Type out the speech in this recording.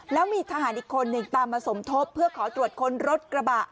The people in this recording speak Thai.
แล้วมีทหารอีกคนหนึ่งตามมาสมทบเพื่อขอตรวจค้นรถกระบะ